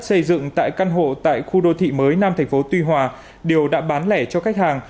xây dựng tại căn hộ tại khu đô thị mới nam tp tuy hòa điều đã bán lẻ cho khách hàng